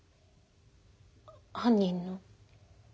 犯人の。